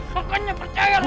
pokoknya percaya lu